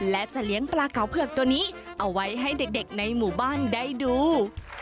และจะเลี้ยงปลาเก๋าเผือกตัวนี้เอาไว้ให้เด็กในหมู่บ้านได้ดู